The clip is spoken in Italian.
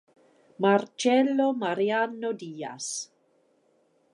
Marcelo Mariano Dias